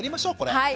はい。